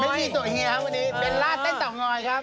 พิธีสวยเฮียครับวันนี้เบลล่าเต้นเตางอยครับ